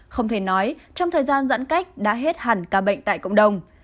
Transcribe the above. không thể nói trong thời gian giãn cách đã hết hẳn ca bệnh tại cộng đồng